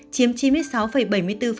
chiếm chín mươi sáu bảy mươi bốn tổng số f